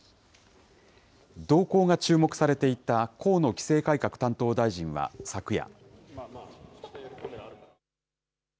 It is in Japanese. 動向が注目されていた河野規制改革担当大臣は昨夜。